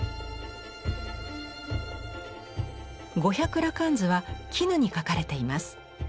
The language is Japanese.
「五百羅漢図」は絹に描かれています。